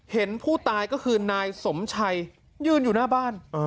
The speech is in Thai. เห็นผู้ตายก็คือนายสมชัยยืนอยู่หน้าบ้าน